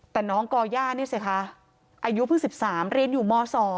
แต่น้องก่อย่านี่สิคะอายุเพิ่ง๑๓เรียนอยู่ม๒